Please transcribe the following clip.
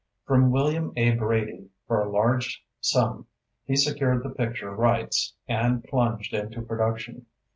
From William A. Brady, for a large sum, he secured the picture rights, and plunged into production.